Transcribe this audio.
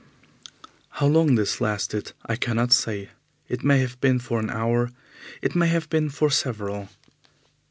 How long this lasted I cannot say. It may have been for an hour, it may have been for several.